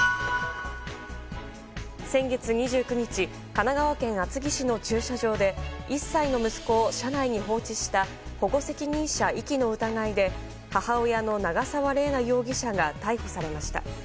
先月２９日神奈川県厚木市の駐車場で１歳の息子を車内に放置した保護責任者遺棄の疑いで母親の長沢麗奈容疑者が逮捕されました。